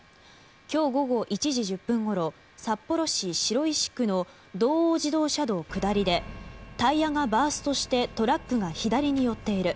今日午後１時１０分ごろ札幌白石区の道央自動車道下りでタイヤがバーストしてトラックが左に寄っている。